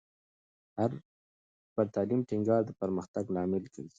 پر تعلیم ټینګار د پرمختګ لامل ګرځي.